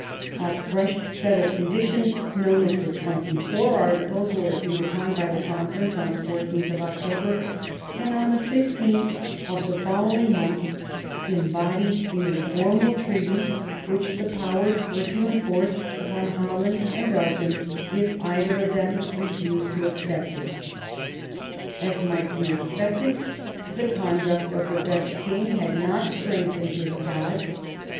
A fresh set of conditions, known as the Twenty four Articles, were agreed upon by the Conference on the 14th of October, and, on the 15th of the following month, embodied in a formal treaty which the Powers were to enforce upon Holland and Belgium, if either of them refused to accept it. As might be expected, the conduct of the Dutch King had not strengthened his BELGIAN INDEPENDENCE. 49 cause.